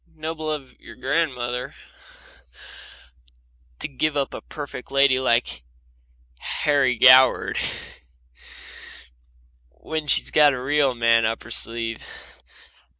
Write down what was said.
Noble, your grandmother to give up a perfect lady like Harry Goward, when she's got a real man up her sleeve!